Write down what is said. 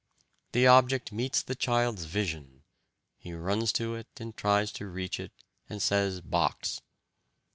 The object meets the child's vision. He runs to it and tries to reach it and says 'box.'...